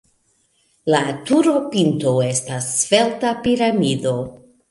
La turopinto estas svelta piramido.